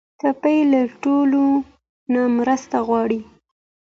ټپي له ټولو نه مرسته غواړي.